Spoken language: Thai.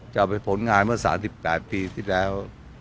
จะเอาไปผลงานเมื่อ๓๘ปีที่แล้ว